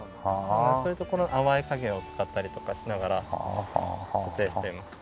そういう所の淡い影を使ったりとかしながら撮影しています。